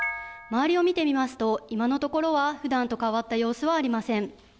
周りを見てみますと、今のところはふだんと変わった様子はありません。